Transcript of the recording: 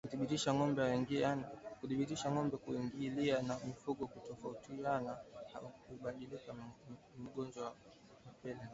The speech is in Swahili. Kudhibiti ngombe kuingiliana na mifugo tofautitofauti hukabiliana na ugonjwa wa mapele ya ngozi